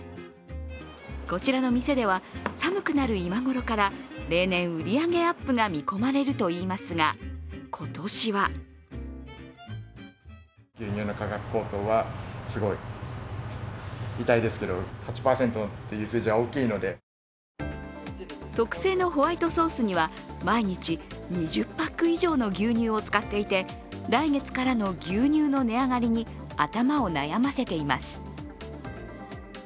こちらの店では寒くなる今頃から、例年売り上げアップが見込まれるといいますが、今年は特製のホワイトソースには毎日、２０パック以上の牛乳を使っていて来月からの牛乳の値上がりに頭を悩ませています。